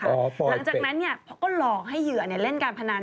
หลังจากนั้นเขาก็หลอกให้เหยื่อเล่นการพนัน